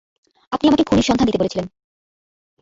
আপনি আমাকে খুনির সন্ধান দিতে বলেছিলেন।